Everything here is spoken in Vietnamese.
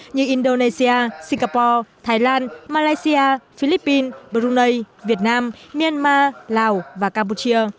như indonesia singapore thái lan malaysia philippines brunei việt nam myanmar lào và campuchia